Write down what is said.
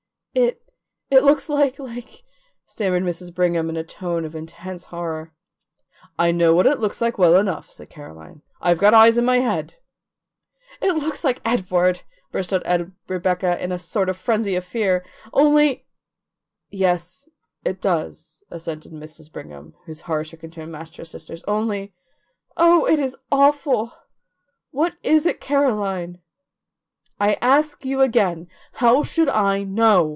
"It it looks like like " stammered Mrs. Brigham in a tone of intense horror. "I know what it looks like well enough," said Caroline. "I've got eyes in my head." "It looks like Edward," burst out Rebecca in a sort of frenzy of fear. "Only " "Yes, it does," assented Mrs. Brigham, whose horror stricken tone matched her sister's, "only Oh, it is awful! What is it, Caroline?" "I ask you again, how should I know?"